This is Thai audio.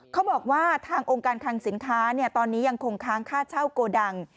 เขาบอกว่าทางองค์การคังสินค้าตอนนี้ยังคงค้างค่าเช่าโกดัง